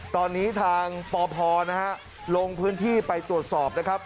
ตอนนี้ทางปพนะฮะลงพื้นที่ไปตรวจสอบนะครับ